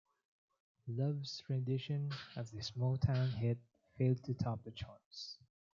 Luv's rendition of this Motown hit failed to top the charts.